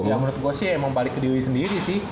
ya menurut gue sih emang balik ke diri sendiri sih